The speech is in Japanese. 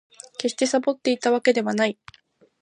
決してサボっていたわけではない